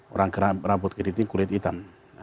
orang rambut keriting kulit hitam